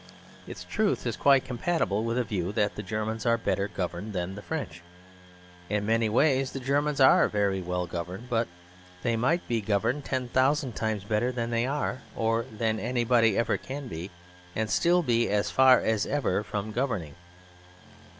Its truth is quite compatible with a view that the Germans are better governed than the French. In many ways the Germans are very well governed. But they might be governed ten thousand times better than they are, or than anybody ever can be, and still be as far as ever from governing.